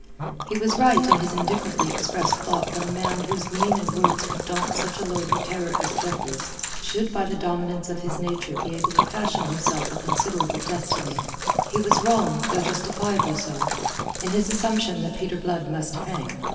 He was right in his indifferently expressed thought that a man whose mien and words could daunt such a lord of terror as Jeffreys, should by the dominance of his nature be able to fashion himself a considerable destiny. He was wrong though justifiably so in his assumption that Peter Blood must hang.